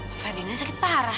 alvaerdena sakit parah